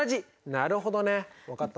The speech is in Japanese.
なるほどね分かったわ。